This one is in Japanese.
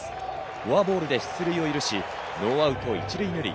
フォアボールで出塁を許し、ノーアウト１塁２塁。